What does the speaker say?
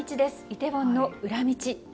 イテウォンの裏道。